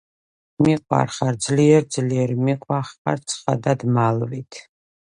მიყვარხარ ძლიერ ძლიერ, მიყვარხარ ცხადად მალვით